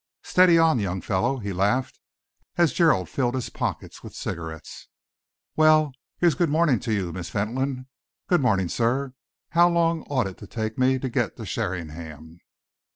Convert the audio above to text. Steady on, young fellow," he laughed, as Gerald filled his pockets with cigarettes. "Well, here's good morning to you, Miss Fentolin. Good morning, sir. How long ought it to take me to get to Sheringham?"